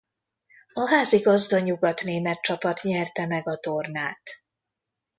A házigazda nyugatnémet csapat nyerte meg a tornát.